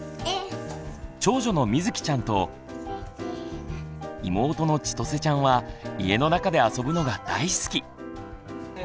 長女のみずきちゃんと妹のちとせちゃんは家の中で遊ぶのが大好き。